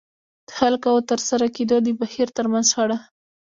د خلکو او د ترسره کېدو د بهير ترمنځ شخړه.